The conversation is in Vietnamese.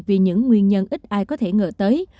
vì những nguyên nhân ít ai có thể ngờ tới